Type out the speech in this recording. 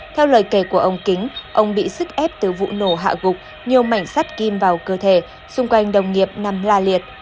theo lời kể của ông kính ông bị sức ép từ vụ nổ hạ gục nhiều mảnh sắt kim vào cơ thể xung quanh đồng nghiệp nằm la liệt